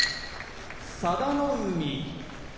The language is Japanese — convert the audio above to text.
佐田の海